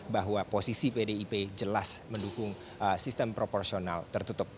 bahwa posisi pdip jelas mendukung sistem proporsional tertutup